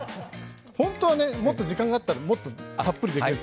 本当はもっと時間があったら、もっとたっぷりできる。